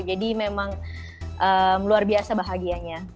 jadi memang luar biasa bahagianya